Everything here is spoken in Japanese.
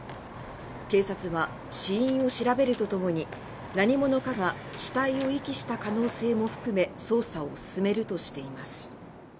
警察は死因を調べると共に何者かが死体を遺棄した可能性も含め捜査を進めるとしています。